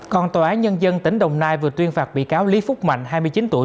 còn tòa án nhân dân tỉnh đồng nai vừa tuyên phạt bị cáo lý phúc mạnh hai mươi chín tuổi